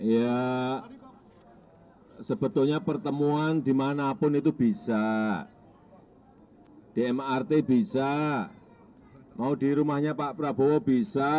ya sebetulnya pertemuan dimanapun itu bisa di mrt bisa mau di rumahnya pak prabowo bisa